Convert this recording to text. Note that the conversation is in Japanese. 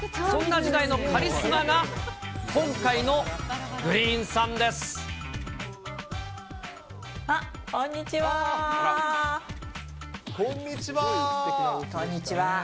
そんな時代のカリスマが、今回のこんにちは。